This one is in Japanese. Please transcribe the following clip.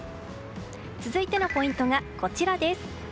続いてはのポイントがこちらです。